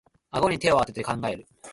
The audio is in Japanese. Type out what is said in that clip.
あごに手をあてて考える